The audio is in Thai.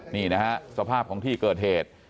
นี่นะฮะสภาพของที่เกิดเหตุ